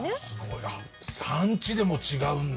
産地でも違うんだ。